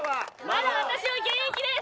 まだ私は現役です！